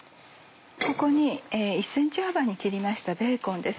ここに１ｃｍ幅に切りましたベーコンです。